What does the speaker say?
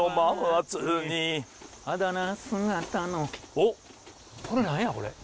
おっこれ何やこれ。